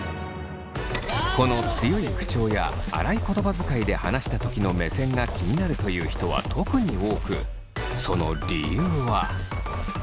この強い口調や荒い言葉遣いで話したときの目線が気になるという人は特に多くその理由は。